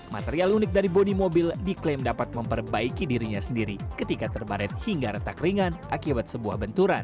material unik dari bodi mobil diklaim dapat memperbaiki dirinya sendiri ketika terbaret hingga retak ringan akibat sebuah benturan